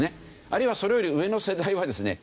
あるいはそれより上の世代はですね